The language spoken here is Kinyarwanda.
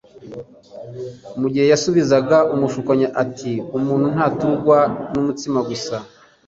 Mu gihe yasubizaga umushukanyi ati: «Umuntu ntaturugwa n'umutsima gusa,